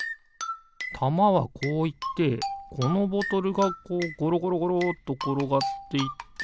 たまはこういってこのボトルがこうゴロゴロゴロところがっていって。